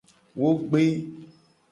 Wo gbe.